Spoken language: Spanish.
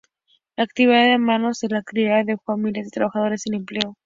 La actividad en manos de la privada dejó a miles de trabajadores sin empleo.